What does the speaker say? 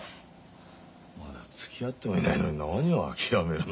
まだつきあってもいないのに何を諦めるの？